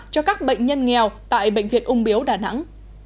cho các bệnh nhân nghèo tại bệnh viện ung biếu đà nẵng